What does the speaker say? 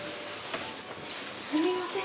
すみません